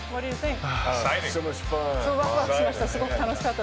ワクワクしました。